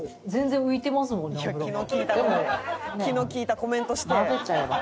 「気の利いたコメントして」